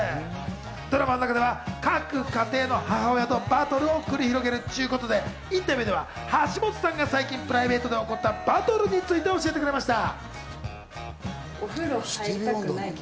ドラマの中では各家庭の母親とバトルを繰り広げるっちゅうことで、インタビューでは橋本さんが最近プライベートで起こったバトルについて教えてくれました。